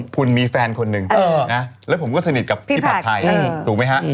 คุณมีแฟนคนหนึ่งนะแล้วผมก็สนิทกับพี่ผัดไทยถูกไหมฮะ